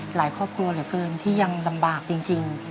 ครอบครัวเหลือเกินที่ยังลำบากจริง